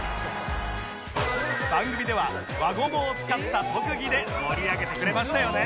番組では輪ゴムを使った特技で盛り上げてくれましたよね